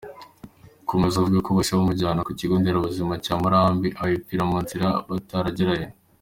Akomeza avuga ko bahise bamujyana ku kigo nderabuzima cya Murambi, agapfira mu nzira bataragerayo.